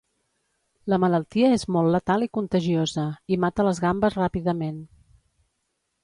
La malaltia és molt letal i contagiosa, i mata les gambes ràpidament.